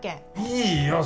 いいよ